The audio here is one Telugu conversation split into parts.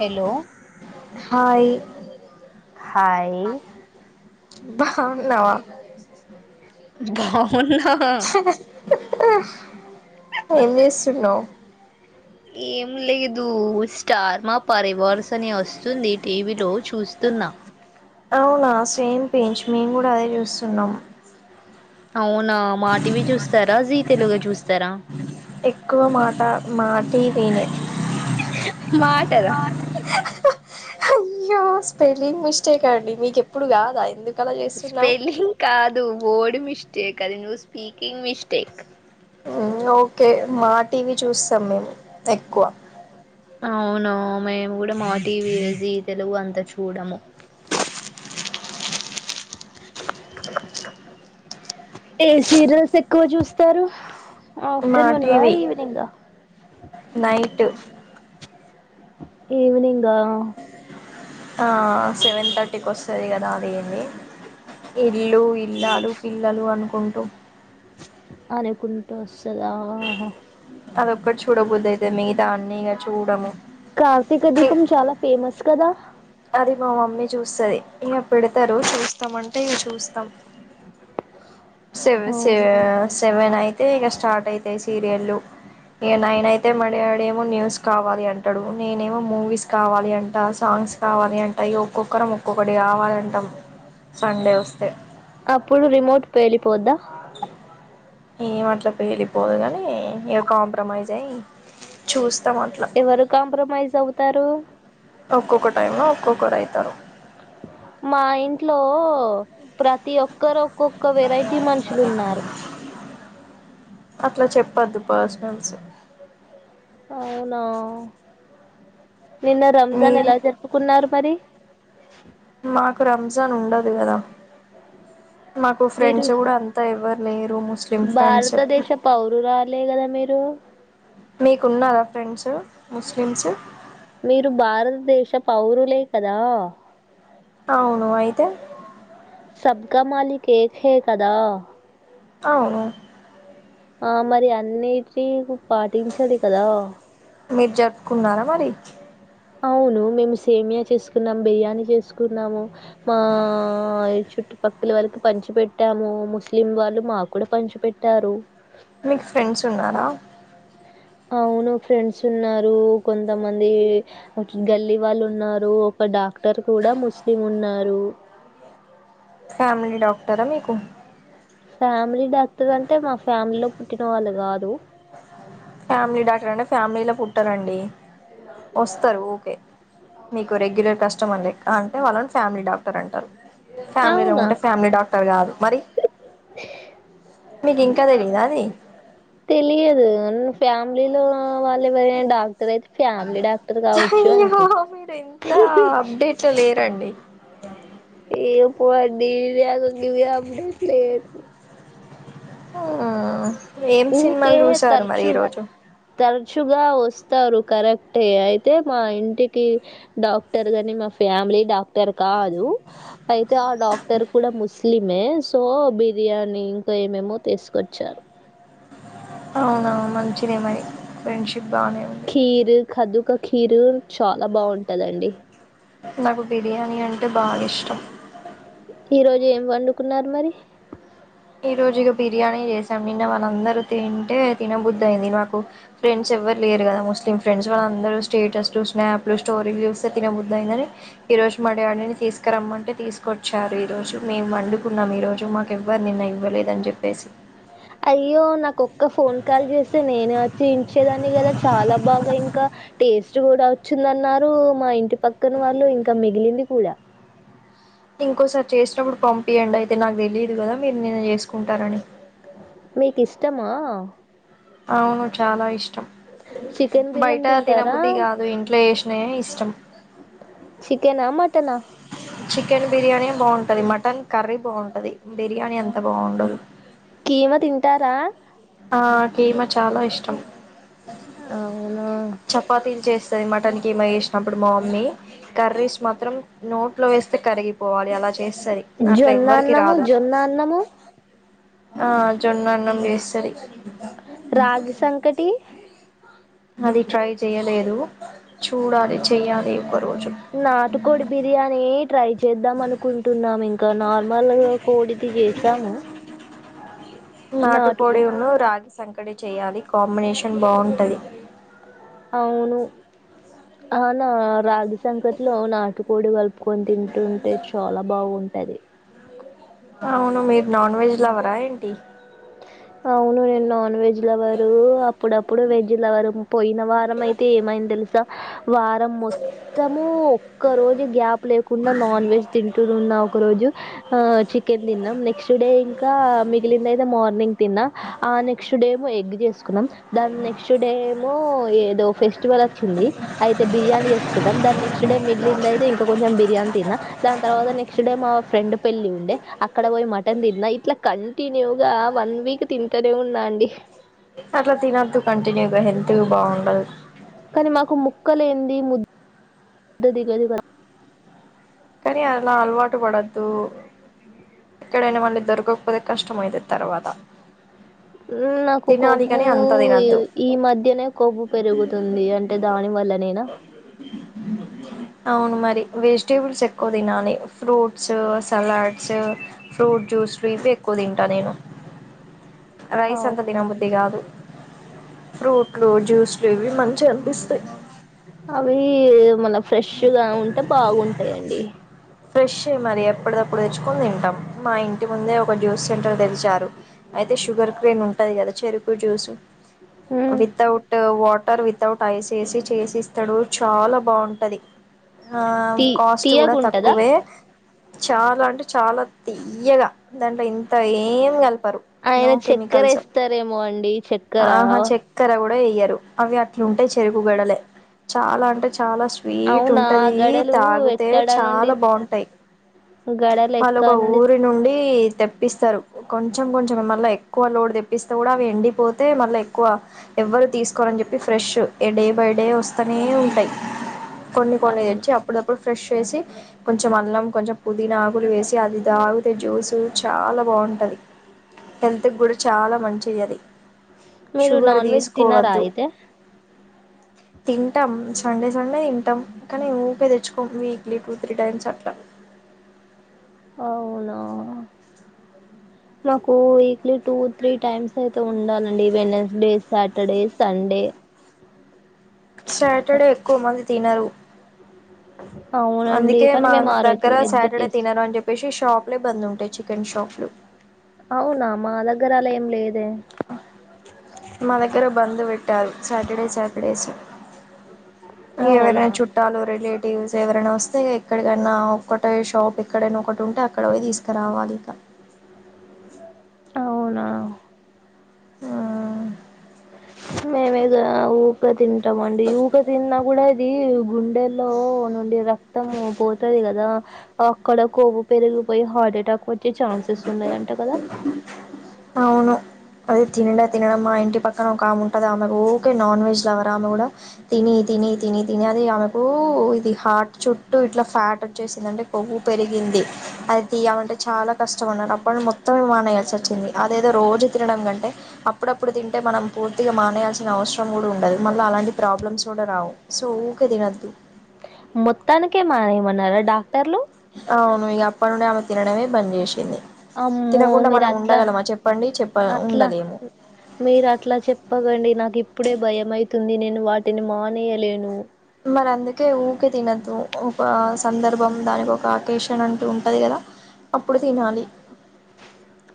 హలో హాయ్ హాయ్ భాహున్నావా భావున్నా ఏం జేస్తున్నావు ఏం లేదూ స్టార్ మా పరివార్స్ అని ఒస్ సుంది టీవీలో చూస్తున్నా అవునా సేమ్ పించ్ మేం గూడా అదే చూస్తున్నాం అవునా మాటివి చూస్తారా, జీ తెలుగ చూస్తారా. ఎక్కువ మాట మా టివీ నే మాటదా హయ్యో స్పెలింగ్ మిస్టేక్ అండి మీకెప్పుడు గాదా ఎందు స్పెల్లింగ్ కాదు వోర్డ్ మిస్టేక్ అది నువ్వు స్పీకింగ్ మిస్టేక్. ఊ ఓకే మా టీవీ చూస్సం మేము ఎక్కువ అవునా, మేము కూడా మా టీవీయే జీ తెలుగు అంత చూడము. ఏ సీరియల్స్ ఎక్కువ జూస్తారు మా ఆఫ్టర్నూన్ వా టీవీ ఈవినింగా నైట్ ఈవినింగా ఆ సెవెన్ థట్టీకి వస్తది గదా అదేంది ఇల్లు, ఇల్లాలు, పిల్లలు అనుకుంటూ. అనుకుంటూ ఒస్సదా ఆహ అదొక్కటి చూడ బుధ్ధి అయితద్, మిగతా అన్నీ ఇగ చూడము. కార్తీక దీపం చాలా ఫేమస్ కదా అది మా మమ్మీ చూస్తది, ఇంగ పెడతరూ చూస్తం అంటే ఇగ చూస్తం. సెవె సే అవును సెవెన్ అయితే ఇగ స్టార్ట్ అయితాయి సీరియల్లు ఇగ నైన్ అయితే మా డ్యా డేమో న్యూస్ కావాలి అంటడు, నేనేమో మూవీస్ కావాలి అంట, సాంగ్స్ కావాలి అంట, ఇగ ఒక్కొక్క. రం ఒక్కొక్కటి కావాలంటం సండే ఒస్తే అప్పుడు రిమోట్ పేలిపోద్దా ఏం అట్లా పెలిపోదు కాని ఇక కాంప్రమైజ్ అయ్యి చూస్త ఎవరు కాంప్రమైజ్ అవుతారు ఒక్కొక్క టైమ్ లో ఒక్కొక్కరు అయితారు మా ఇంట్లో ప్రతి ఒక్కరు ఒక్కొక్క వెరైటీ మనుషులు ఉన్నారు అట్లా చెప్పద్దు పర్సనల్స్ అవునా నిన్న మీ రంజాన్ ఎలా జరుపుకున్నారు మరి మాకు రంజాన్ ఉండదు గదా, మాకు మీరు ఫ్రెండ్స్ గూడా అంతా ఎవ్వర్. భారతదేశ పౌరురాలే కదా మీరు మీకున్నారా ఫ్రెండ్స్ ముస్లిమ్స్ మీరు భారతదేశ పౌరులే కదా అవును అయితే సబ్కా మాలక్ ఏక్ కదా అవును ఆ మరి అన్నిటిని పాటించాలి కదా మీరు జపుకున్నారా మరి అవును మేము సేమియా చేసుకున్నాం బిర్యానీ చేసుకున్నాము మా చు చుట్టుపక్కల వారికి పంచి పెట్టాము ముస్లిం వాళ్ళు మాకు కూడా పంచి పెట్టారు మీకు ఫ్రెండ్స్ ఉన్నారా అవును ఫ్రెండ్స్ ఉన్నారు కొంతమంది గల్లీ వాళ్ళు ఉన్నారు ఒక డాక్ డాక్టర్ కూడా ముస్లిం ఉన్నారు ఫ్యామిలీ డాక్టరా మీకు ఫ్యామిలీ డాక్టర్ అంటే మా ఫ్యామిలీలో పుట్టిన వాళ్ళు కాదు ఫ్యామిలీ డాక్టర్ అంటే ఫ్యామిలీ లో పుట్టరండి వస్తారు ఓకే మీకు రెగ్యులర్ కస్ట కష్టమార్ అంటే వాళ్ళని ఫ్యామిలీ డాక్టర్ అంటారు ఫ్యామిలీలో అవునా ఉంటే ఫ్యామిలీ డాక్టర్ కాదు మరి మీకు ఇంకా తెలీదా అది తెలియదు ఫ్యామిలీలో వాళ్ళు ఎవరైనా డాక్టర్ అయితే ఫ్యామిలీ డాక్టర్ కావచ్చు అయ్యో అనుకుంటా మీరు ఎంత అప్డేట్లో లేరండి ఏప్పు అడిగంగవి అడ పలే [unintelligible] ఏం ఊకే సినిమాలు చూసారు మరి ఈ రోజు చ్చుగా వస్తారు కరెక్ట్ అయితే మా ఇంటికి డాక్టర్ గాని మా ఫ్యామి లి డాక్టర్ కాదు అయితే ఆ డాక్టర్ కూడా ముస్లిమే సో బిర్యాని ఇంకా ఏమేమో తీసుకొచ్చారు అవునవును మంచిదేమని ఫ్రెండ్షిప్ బాగునే కీరు కదుక కీరు చాలా బాగుంటదండి నాకు బిర్యానీ అంటే బాగా ఇష్టం ఈ రోజు ఏం వండుకున్నారు మరి ఈ రోజు ఇక బిర్యానీ చేసాం నిన్న వాళ్ళందరూ తింటే తినబుద్దు అయింది నాకు ఫ్రెండ్స్ ఎవరు లేరు కదా ముస్లిం ఫ్రెండ్స్ వాళ్ళందరూ స్టేటస్ స్నాప్లు స్టోరీలు చూస్తే తినబద్దు అయిందని ఈ రోజు మా డాడీని తీసుకురమ్మంటే తీసుకొచ్చారు ఈ రోజు మేము వండుకున్నాం ఈ రోజు మాకు ఎవ్వరు నిన్న ఇవ్వలేదు అని చెప్పేసి అయ్యో నాకొక్క ఫోన్ కాల్ చేస్తే నేను వచ్చి ఇంచేదాన్ని కదా చాలా బ బాగా ఇంకా టేస్ట్ కూడా వచ్చిందన్నారు మా ఇంటి పక్కన వాళ్ళు ఇంకా మిగిలిది ఇది కూడ ఇంకోసారి చేసినప్పుడు పంపియండి అయితే నాకు తెలియదు కదా మీరు నేను చేసుకుంటారని మీకు ఇష్టమా అవును చాలా ఇష్టం చికెన్ బిర్యానీ బయట తింటారా తినబుద్ది కాదు ఇంట్లో చేసినయే ఇష్టం చికెనా, మటనా చికెన్ బిర్యానీ బాగుంటది మటన్ కర్రీ బాగుంటది బిర్యానీ ఎంత బాగుండదు. కీమ తింటారా. ఆ కీమా చాలా ఇష్టం అవునా చపాతీలు చేస్తుది మ కానీ కీమా చేసినప్పుడు మా మమ్మీ కర్రీస్ మాత్రం నోట్లో వేస్తే కరిగిపోవాలి అలా చే స్తది అట్లా జొన్న ఎవ్వరికి అన్నము రాదు జొన్న అన్నము ఆ జొన్న చేస్తది రాగి సంకటి అది ట్రై చేయలేదు చూడాలి చేయ్యాలి. నాటుకోడి బిర్యానీ ట్రై చేద్దాం అనుకుంటున్నాము ఇంకా నార్మల్ కోడిది చేసాము. నాటుకు నాటుకోడి ఉన్ను రాగి సంకటి చెయ్యాలి కాంబినేషన్ బాగుంటది. అవును అనా రాగి సంకట్ లో నాటుకోడి కలుపుకొని తింటుంటే చాలా బాగుంటది అవును మీరు నాన్ వెజ్ లవరా ఏంటి అవును నేను నాన్ వెజ్ అవ్వరు అప్పుడప్పుడు వెజ్ లవ్వరు పోయిన వారం అయితే ఏమైంది తెలుసా వారం మొత్తము ఒక్క రోజు గ్యాప్ లేకుండా నాన్ వెజ్ తింటూ ఉన్న ఒక రోజు చికెన్ తిన్నాం నెక్స్ట్ డే ఇంకా మిగిలింద అయితే మార్నింగ్ తిన్నా ఆ నెక్స్ట్ డే ఏమో ఎగ్ చేసుకున్నాం ఏమో ఏదో ఫెస్టివల్ వచ్చింది అయితే బిర్యానీ చేసుకుంన్నం. దా నెక్ట్ డే మిగిలింది అయితే ఇంకా కొంచెం బిర్యానీ తిన్నా దాని తర్వాత నెక్స్ట్ డే మా ఫ్రెండ్ పెళ్లి ఉండే అక్కడ పోయి మటన్ తిన్నా ఇట్లా కంటిన్యూగా వన్ వీక్ తింటనే ఉన్న అండి అట్లా తినద్దు కంటిన్యూగా హెల్త్ బాగుండదు. కానీ మాకు ముక్కలేనిదే ముద్ద దిగదు కదా కానీ అలా అలవాటు పడద్దు ఇక్కడనా మళ్ళీ దొరకకపోతే కష్టంమైతది తర్వాత నాకు తినాలి కొవ్వు కాని అంత తినొద్దు ఈ మధ్యనే కొవ్వు పెరుగుతుంది అంటే దాని వల్లనేనా అది అవును మరి వెజిటేబుల్స్ ఎక్కువ తినాలి ఫ్రూట్స్ సలాడ్స్ ఫ్రూట్స్ ఎక్కువ తింటా నేను అ రైస్ అంతా తిన బుద్ధి కాదు ఫ్రూట్లు జ్యూస్ ఇవి మంచిగా అనిపిస్తాయి. అవి మన ఫ్రెష్గా ఉంటే బాగుంటాయిండి. ఫ్రెష్ మరి ఎప్పుటిదప్పుడు తెచ్చుకొని తింటాం మా ఇంటి ముందే ఒక జ్యూస్ సెంటర్ తెరిచారు. అయితే షుగర్ కేన్ ఉంటది కదా చెరుకు జ్యూసు ఉమ్, వితౌట్ వాటర్ టర్ వితౌట్ ఐసేసి చేసిస్తాడు చాలా బాగుంటది. ఆ తీ కాస్ట్ కూడా తీయకుంటదా తక్కువే చాలా అంటే చాలా తియ్యగా దాంట్లో ఇంత ఏం కలు పరు నో ఆయన చక్కెర కెమికల్స్ వేస్తారేమో అండి చక్కెర ఆహా చక్కెర కూడా వేయ్యారు అవి అట్లుంటే చెరుకు గెడలే చాలా అంటే చాలా స్వీట్ అవునా ఉంటది గడలు తాగితే ఎక్కడ నుండి చాలా బాగుంటాయి గడలు ఎక్కడ వాళ్ళక ఊరి నుండి తెప్పిస్తారు కొంచెం కొంచెం మళ్ళీ ఎక్కువ లోడ్ తెప్పిస్తే కూడా అవి ఎండిపోతే మళ్ళీ ఎక్కువ ఎవ్వరు తీసుకోరని చెప్పి ఫ్రెష్ డే బై డే వస్తూనే ఉంటాయి. కొన్ని కొన్ని అవును తెచ్చి అప్పుడప్పుడు ఫ్రెష్ చేసి కొంచెం అల్లం కొంచెం పుదీనాకులు వేసి అది తాగితే జ్యూసు చాలా బాగుంటది హెల్త్ కూడా చాలా మంచిది అది మీరు షుగర్ నాన్ వెజ్ తినారా తీసుకోవద్దు అయితే తింటాం సండే సండే తింటాం కానీ ఊకె తెచ్చుకొం weekly two three times అట్లా అవునా మాకు వీక్లీ టూ త్రీ టైమ్స్ అయితే ఉండాలండి వెనస్డే సాటర్డే సండే సాటర్డే ఎక్కువ మంది తినరు అవునండి అందుకే కానీ మా మేము ఆ రోజు దగ్గర ఎగ్ సాటర్డే చేస్ తినరు అని చెప్పేసి షాప్ బందు ఉంటాయి చికెన్ షాపులు దగ్గరాలేం లేదే మా దగ్గర బంద్ పెట్టారు సాటర్డే సాటర్డేస్ ఇ అవునా ఎవరనా చుట్టాలుూ రిలేట్ టీవీస్ ఎవరైనా వస్తే ఎక్కడికైనా ఒకటె షాప్ ఎక్కడైనా ఒకటి ఉంటే అక్కడ పోయి తీసుకురావాలి ఇక అవునా ఆ మేమేగా ఊకె తింటామ అండి ఊకె తిన్నా కూడా ఇది గు గుండెల్లో నుండి రక్తం పోతది కదా అక్కడ కొవ్వు పెరిగిపోయి హార్ట్ అటాక్ వచ్చే ఛాన్సెస్ ఉన్నాయి అంట కదా [inaudible] అదే తినడా తినడం మా ఇంటి పక్కన ఒక ఆమె ఉంటది ఆమె ఓకే నాన్ వెజ్ లవరా ఆమె కూడా తిని తిని తిని తిని అది ఆమెకు ఇది హార్ట్ చుట్టూ ఇట్లా ఫ్యాట్ వచ్చేసింది అంటే కొవ్వు పెరిగిం ది అది తీయమంటే చాలా కష్టం అన్నారు అప్పుడు మొత్తం మానయాల్సి వచ్చింది అదేదో రోజు తినడం కంటే అప్పుడప్పుడు తింటే మనం పూర్తిగా మానేయాల్సిన అవసరం కూడా ఉండదు మళ్ళ అలాంటి ప్రాబ్లమ్స్ కూడా రావు సో ఊకే తినద్దు మొత్తానికే మానేయమన్నారా డాక్టర్లు అవును ఇగ అప్పటి నుండి ఆమె తినడమే బంద్ చేసింది అమ్మో తినకుండా మీరు మనం అట్లా ఉండగలమా చెప్పం అట్లా మీరు అట్లా చెప్పకండి నాకు ఇప్పుడే భయంమయితు తుంది నేను వాటిని మానేయలేను మరి అందుకే ఊకే తినద్దు ఒక సందర్భం దానికి ఒక ఆకేషన్ అంటూ ఉంటుంది కదా అప్పుడు తినాలి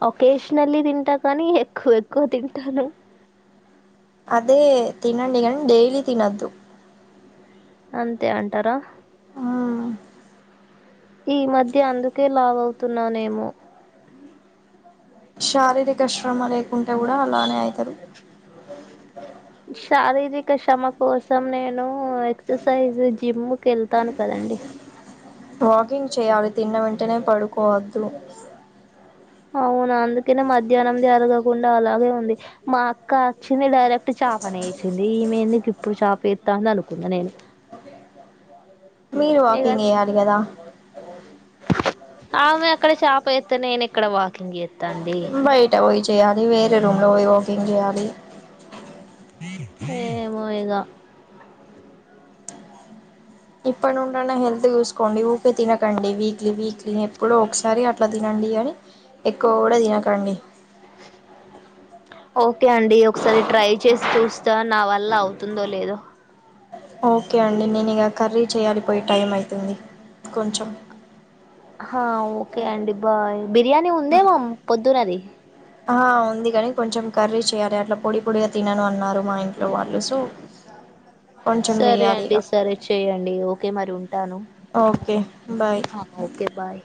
ఒకేషనల్లీ తింటా కానీ ఎక్కువ ఎక్కువ తింటాను అదే తినండి గని డైలీ తినద్దు అంతే అంటారా మ్మ్. ఈ మధ్య అందుకే లావ్ అవుతున్నానేమో శారీరక శ్రమ లేకుండా కూడా అలానే అయి శారీరక శ్రమ కోసం నేను ఎక్సర్సైజ్ జిమ్ క వెళ్తాను కదండి వాకింగ్ చేయాలి తిన్న వెంటనే పడుకోవద్దు అవును అందుకనే మధ్యాహ్నంది అరగకుండా అలాగే ఉంది మా అక్క అచ్చింది ఇడ రక్ట్ చాపనే వేసింది ఈమెద నీకు ఇప్పుడు చాప ఎత్తాంది అనుకున్న నేను మీరు ఇగ వాకింగ్ ఎయ్యాలి కదా ఆమె అక్కడ చప ఎత్తే నేను ఇక్కడ వాకింగ్ చేత్తండి బయట పోయి చేయాలి వేరే రూమ్లో పోయి వాకింగ్ చేయాలి ఏమో ఇగ ఇప్పుడి నుండన్న హెల్త్ చూసుకోండి ఊకె తినకండి వీక్లీ వీక్లీ ఎప్పుడో ఒకసారి అట్లా తినండి డి గని ఎక్కువ కూడా తినకండి [inaudible] ఓకే అండి ఒకసారి ట్రై చేసి చూస్తా నా వల్ల అవుతుందో లేదో ఓకే అండి నేను ఇగ కర్రీ చేయాలిపోయి టైమ్ అవుతుంది కొంచెం ఆ ఓకే అండి బాయ్ బిర్యానీ ఉందే మం పొద్దునది ఆ ఉంది కాని కొంచెం కర్రీ చేయ్యాలి అట్లా పొడి పొడిగా తినను అన్నారు మా ఇంట్లో వాళ్ళు సూ సరే అండి సరే చెయ్యండి ఓకే మరి ఉంటాను. ఓకే బాయ్ హ ఓకే బాయ్